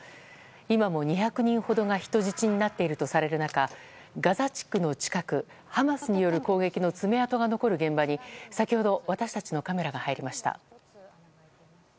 今も２００人ほどが人質になっているとされる中ガザ地区の近く、ハマスによる攻撃の爪痕が残る現場に先ほど、私たちのカメラが入りました。